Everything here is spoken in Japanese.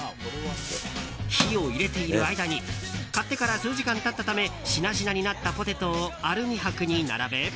火を入れている間に買ってから数時間経ったためしなしなになったポテトをアルミ箔に並べ。